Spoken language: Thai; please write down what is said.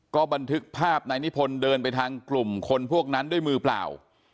ก็บันทึกภาพนายนิพนธ์เดินไปทางกลุ่มคนพวกนั้นด้วยมือเปล่า